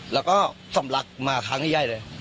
แล้วก็สำลักมาครั้งใหญ่เลย